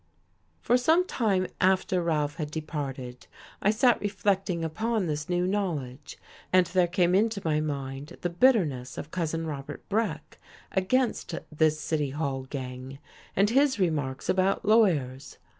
For some time after Ralph had departed I sat reflecting upon this new knowledge, and there came into my mind the bitterness of Cousin Robert Breck against this City Hall gang, and his remarks about lawyers.